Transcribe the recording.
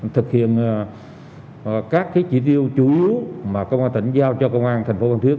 thực hiện các chỉ tiêu chủ yếu mà công an tỉnh giao cho công an thành phố phan thiết